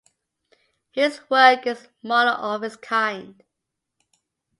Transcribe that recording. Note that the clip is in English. His work is a model of its kind.